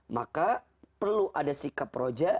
maka perlu ada sikap roja